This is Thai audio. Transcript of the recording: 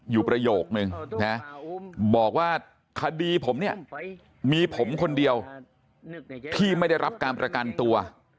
ประโยคนึงนะบอกว่าคดีผมเนี่ยมีผมคนเดียวที่ไม่ได้รับการประกันตัว